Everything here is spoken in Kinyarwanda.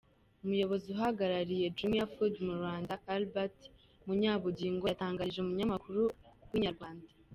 Umuyobozi uhagarariye Jumia Food mu Rwanda, Albert Munyabugingo yatangarije umunyamakuru wa Inyarwanda.